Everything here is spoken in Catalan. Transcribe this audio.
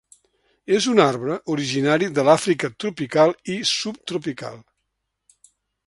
És un arbre originari de l'Àfrica tropical i subtropical.